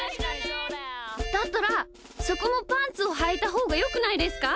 だったらそこもパンツをはいたほうがよくないですか？